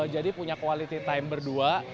jadi punya quality time berdua